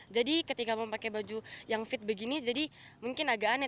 jadi ketika memakai baju yang fit begini jadi mungkin agak aneh